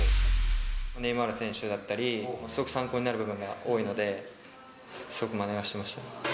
ネイマール選手だったり、すごく参考になる部分が多いので、すごくまねはしてました。